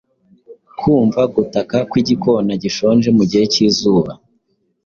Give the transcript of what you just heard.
Kumva gutaka kw igikona gishonje mugihe cyizuba